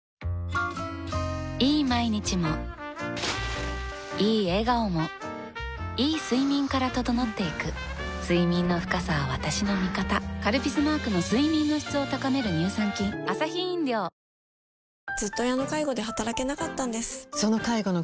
⁉いい毎日もいい笑顔もいい睡眠から整っていく睡眠の深さは私の味方「カルピス」マークの睡眠の質を高める乳酸菌ハロー「生茶」家では淹れられないお茶のおいしさ